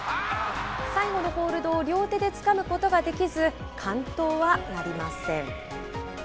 最後のホールドを両手でつかむことができず、完登はなりません。